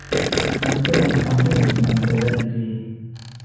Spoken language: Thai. มันก็ยังฟังไม่เหมือนมังสวิรัติอยู่ดี